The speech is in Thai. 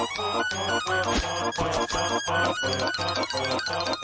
เพราะ